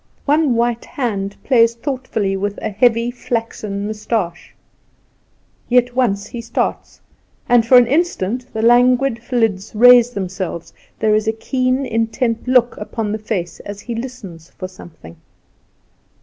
One white hand plays thoughtfully with a heavy flaxen moustache; yet, once he starts, and for an instant the languid lids raise themselves; there is a keen, intent look upon the face as he listens for something.